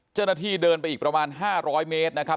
เจ้าหน้าที่เดินไปอีกประมาณ๕๐๐เมตรนะครับ